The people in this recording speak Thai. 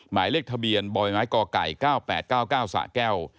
หมายเลขทะเบียนบ่อยไม้กไก่๙๘๙๙สะแก้ว